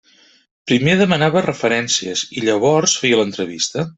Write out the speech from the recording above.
Primer demanava referències i llavors feia l'entrevista.